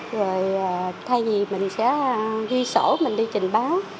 rồi thay vì mình sẽ ghi sổ mình đi trình báo